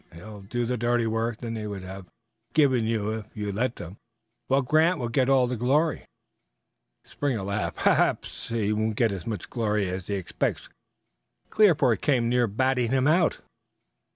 He'll do the dirty work they would have given you if you'd let them, while Grant will get all the glory." Springer laughed. "Perhaps he won't get as much glory as he expects. Clearport came near batting him out.